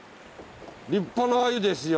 立派なアユですよ。